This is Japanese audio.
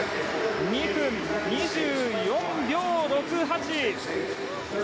２分２４秒６８。